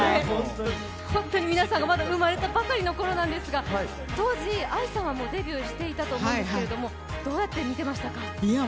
本当に皆さんがまだ生まれたばかりのころなんですが当時、ＡＩさんはもうデビューしていたと思いますが、どうやって見てましたか？